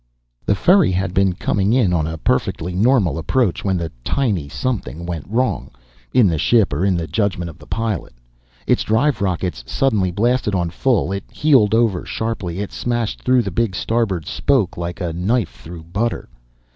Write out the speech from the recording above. The ferry had been coming in on a perfectly normal approach when the tiny something went wrong, in the ship or in the judgment of the pilot. Its drive rockets suddenly blasted on full, it heeled over sharply, it smashed through the big starboard spoke like a knife through butter.